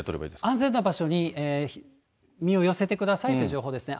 安全な場所に身を寄せてくださいという情報ですね。